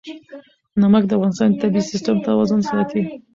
نمک د افغانستان د طبعي سیسټم توازن ساتي.